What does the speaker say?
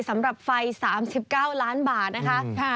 สำหรับไฟสามสิบเก้าล้านบาทนะคะ